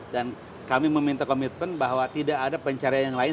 dan kami meminta komitmen bahwa tidak ada pencarian yang lain